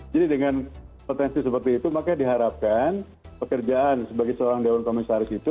jadi dengan potensi seperti itu maka diharapkan pekerjaan sebagai seorang dewan komisaris itu